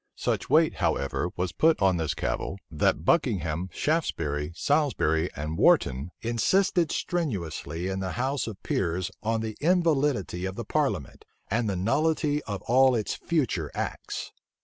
Such weight, however was put on this cavil, that Buckingham, Shaftesbury, Salisbury, and Wharton, insisted strenuously in the house of peers on the invalidity of the parliament, and the nullity of all its future acts.